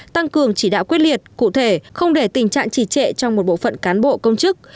tăng cường chỉ đạo quyết liệt cụ thể không để tình trạng trì trệ trong một bộ phận cán bộ công chức